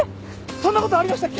そんなことありましたっけ？